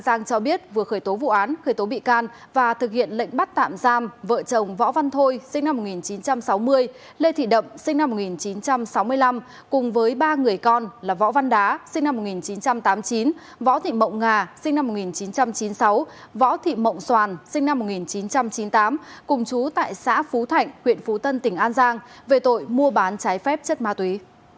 cùng chú tại xã phú thạnh huyện phú tân tỉnh an giang về tội mua bán trái phép chất ma túy